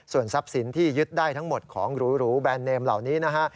ส่วนทรัพย์สินที่ยึดได้ทั้งหมดของหรูแบรนดเนมเหล่านี้นะฮะ